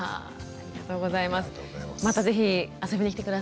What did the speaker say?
ありがとうございます。